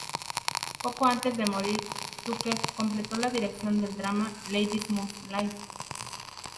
Poco antes de morir, Tucker completó la dirección del drama "Ladies Must Live".